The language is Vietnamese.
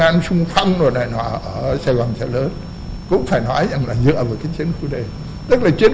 an xung phong rồi này nọ ở sài gòn cho lớn cũng phải nói rằng là dựa vào chiến khu d tức là chiến